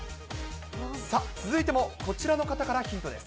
さあ、続いてもこちらの方からヒントです。